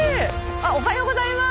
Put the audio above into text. おはようございます。